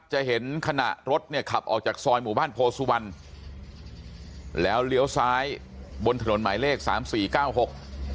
จะเห็นขณะรถเนี่ยขับออกจากซอยหมู่บ้านโพสุวรรณแล้วเลี้ยวซ้ายบนถนนหมายเลขสามสี่เก้าหก